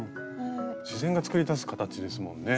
自然が作り出す形ですもんね。